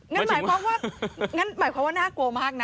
งั้นหมายความว่างั้นหมายความว่าน่ากลัวมากนะ